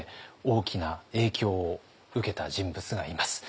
大きな影響を受けた人物がいます。